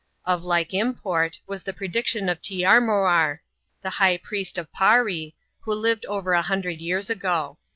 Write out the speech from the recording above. Of like import, was the prediction of Teearmoar, the high priest of Paree, who lived over a hundred years ago.